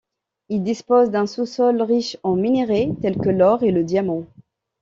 Il dispose d'un sous-sol riche en minerais tels que l'or et le diamant.